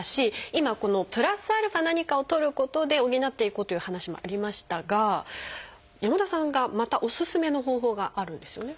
今このプラスアルファ何かをとることで補っていこうという話もありましたが山田さんがまたおすすめの方法があるんですよね。